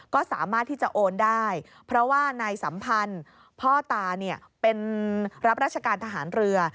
ก็สามารถที่จะโอนได้เพราะว่านายสัมพันธ์พ่อตาเนี่ยเป็นรับราชการทหารเรือ